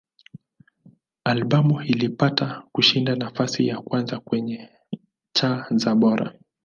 Albamu ilipata kushika nafasi ya kwanza kwenye cha za Bora.